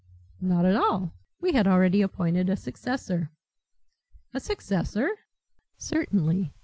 "Not at all. We had already appointed a successor." "A successor?" "Certainly.